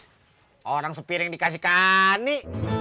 sekarang sepirin dikasih ke ani